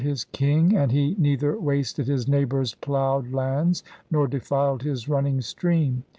his king, and he neither wasted his neighbour's plough ed lands nor denied his running stream.